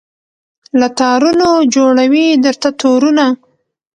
له تارونو جوړوي درته تورونه